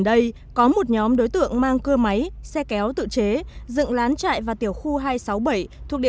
ở đây có một nhóm đối tượng mang cưa máy xe kéo tự chế dựng lán chạy vào tiểu khu hai trăm sáu mươi bảy thuộc địa